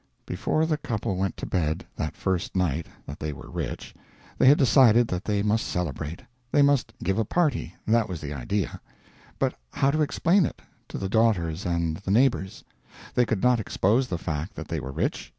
Before the couple went to bed, that first night that they were rich, they had decided that they must celebrate. They must give a party that was the idea. But how to explain it to the daughters and the neighbors? They could not expose the fact that they were rich.